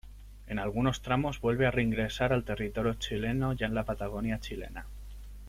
En algunos tramos vuelve a reingresar al territorio chileno ya en la Patagonia chilena.